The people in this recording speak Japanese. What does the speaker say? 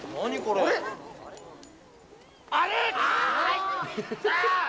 あれ！